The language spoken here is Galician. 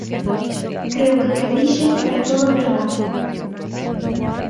Creo que o que dixen é todo verdade.